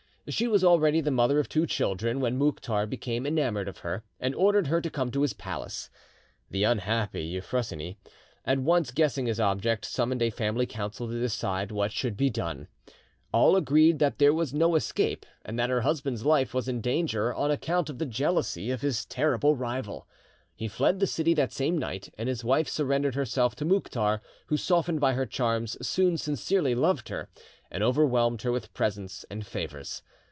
She was already the mother of two children, when Mouktar became enamoured of her, and ordered her to come to his palace. The unhappy Euphrosyne, at once guessing his object, summoned a family council to decide what should be done. All agreed that there was no escape, and that her husband's life was in danger, on account of the jealousy of his terrible rival. He fled the city that same night, and his wife surrendered herself to Mouktar, who, softened by her charms, soon sincerely loved her, and overwhelmed her with presents and favours.